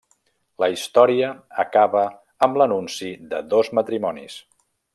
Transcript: La història acaba amb l'anunci de dos matrimonis.